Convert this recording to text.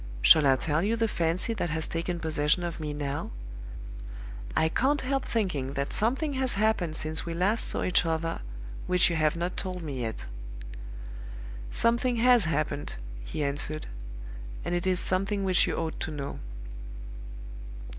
'Shall I tell you the fancy that has taken possession of me now? I can't help thinking that something has happened since we last saw each other which you have not told me yet. "'Something has happened,' he answered. 'And it is something which you ought to know.